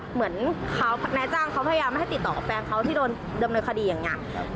เหมือนนายจ้างเขาพยายามไม่ให้ติดต่อกับแฟนเขาที่โดนดำเนินคดีอย่างนี้